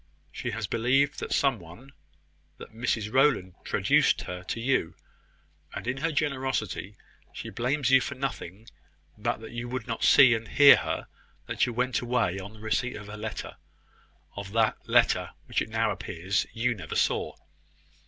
She has believed that some one that Mrs Rowland traduced her to you: and in her generosity, she blames you for nothing but that you would not see and hear her that you went away on the receipt of her letter of that letter which it now appears you never saw."